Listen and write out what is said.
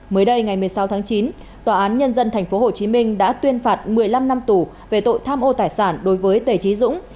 mới đây ngày một mươi sáu tháng chín tòa án nhân dân tp hcm đã tuyên phạt một mươi năm năm tù về tội tham ô tài sản đối với tề trí dũng